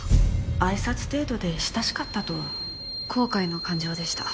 挨拶程度で親しかったとは「後悔」の感情でした。